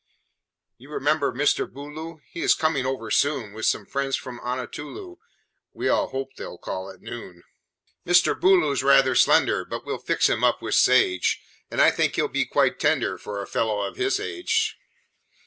"You remember Mr. Booloo? He is coming over soon With some friends from Unatulu We all hope they'll call at noon. "Mr. Booloo's rather slender, But we'll fix him up with sage, And I think he'll be quite tender For a fellow of his age.